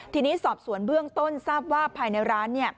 ทีนี้สอบสวนเบื้องต้นทราบว่าภายในร้าน